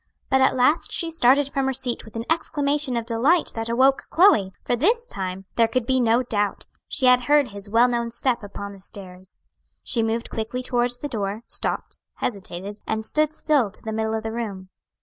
But at last she started from her seat with an exclamation of delight that awoke Chloe; for this time there could be no doubt; she had heard his well known step upon the stairs. She moved quickly towards the door stopped hesitated, and stood still to the middle of the room.